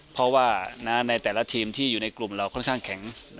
เพราะว่าในแต่ละทีมที่อยู่ในกลุ่มเราค่อนข้างแข็ง